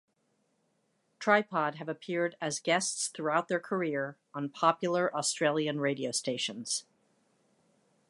Tripod have appeared as guests throughout their career on popular Australian radio stations.